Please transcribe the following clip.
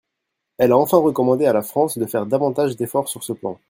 Elle a enfin recommandé à la France de faire davantage d’efforts sur ce plan.